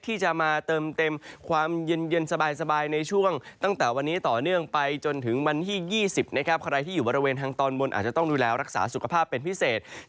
ที่จะมาเติมเต็มความเย็นสบายในช่วงตั้งแต่วันนี้ต่อเนื่องไปจนถึงวันที่๒๐นะครับใครที่อยู่บริเวณทางตอนบนอาจจะต้องดูแลรักษาสุขภาพเป็นพิเศษ